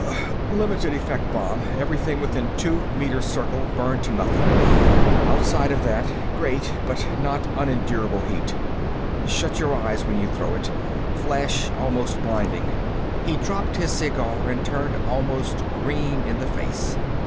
"Limited effect bomb; everything within two meter circle burned to nothing; outside that, great but not unendurable heat. Shut your eyes when you throw it. Flash almost blinding." He dropped his cigar and turned almost green in the face.